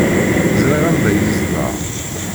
Ẓriɣ anda ay yezdeɣ.